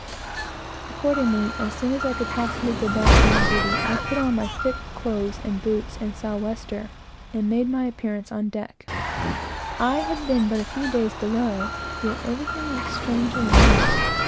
Accordingly, as soon as I could possibly go back to my duty, I put on my thick clothes and boots and south wester, and made my appearance on deck. Though I had been but a few days below, yet everything looked strangely enough.